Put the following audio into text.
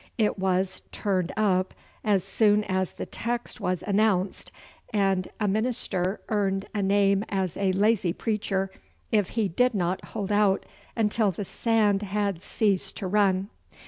It was turned up as soon as the text was announced, and a minister earned a name as a lazy preacher if he did not hold out until the sand had ceased to run.